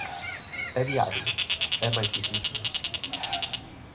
¿É viable? É máis difícil.